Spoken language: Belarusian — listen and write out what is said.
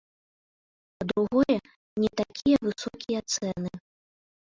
Па-другое, не такія высокія цэны.